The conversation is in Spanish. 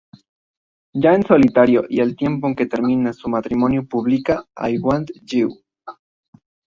Ya en solitario y al tiempo que termina su matrimonio publica "I Want You".